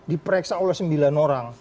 diperiksa oleh sembilan orang